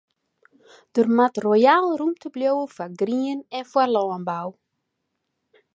Der moat royaal rûmte bliuwe foar grien en foar lânbou.